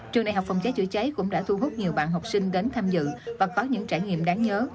trường đại học phòng cháy chữa cháy cũng đã thu hút nhiều bạn học sinh đến tham dự và có những trải nghiệm đáng nhớ